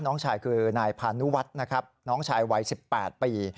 น้องชายคือนายพานุวัฒน์นะครับน้องชายวัย๑๘ปี